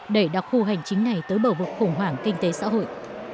để đọc khu hành chính này tới bầu bục khủng hoảng kinh tế xã hội